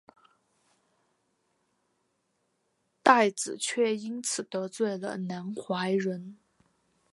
戴梓却因此得罪了南怀仁。